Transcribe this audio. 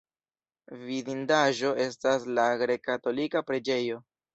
Vidindaĵo estas la grek-katolika preĝejo.